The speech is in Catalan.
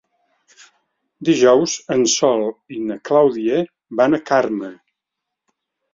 Dijous en Sol i na Clàudia van a Carme.